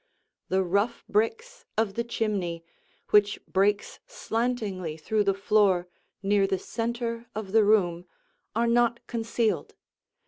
The rough bricks of the chimney, which breaks slantingly through the floor near the center of the room, are not concealed.